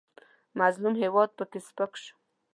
مظلوم هېواد پکې سپک شو.